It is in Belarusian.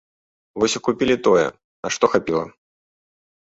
Вось і купілі тое, на што хапіла.